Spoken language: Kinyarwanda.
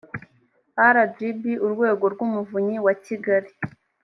rgb urwego rw umuvunyi wa kigali